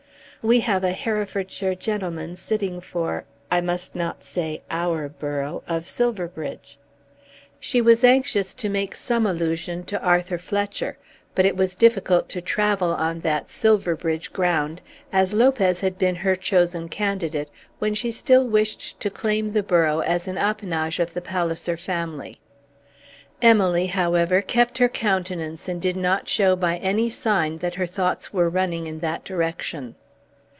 "We have a Herefordshire gentleman sitting for, I must not say our borough of Silverbridge." She was anxious to make some allusion to Arthur Fletcher; but it was difficult to travel on that Silverbridge ground, as Lopez had been her chosen candidate when she still wished to claim the borough as an appanage of the Palliser family. Emily, however, kept her countenance and did not show by any sign that her thoughts were running in that direction.